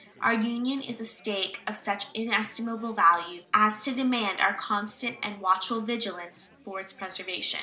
Our Union is a stake of such inestimable value as to demand our constant and watchful vigilance for its preservation.